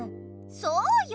そうよ！